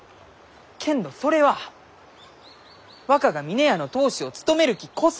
けんどそれは若が峰屋の当主を務めるきこそ！